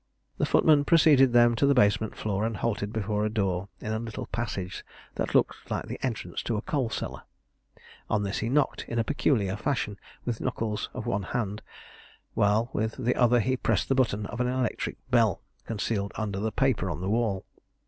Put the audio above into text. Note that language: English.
The footman preceded them to the basement floor and halted before a door in a little passage that looked like the entrance to a coal cellar. On this he knocked in peculiar fashion with the knuckles of one hand, while with the other he pressed the button of an electric bell concealed under the paper on the wall.